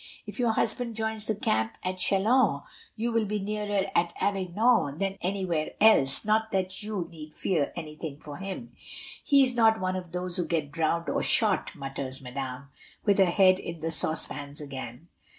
If your hus band joins the camp at Chilons, you will be nearer at Avignon than anywhere else, not that you need fear anything for him. He is not one of those who get drowned or shot," mutters Madame, with her head in the saucepans again.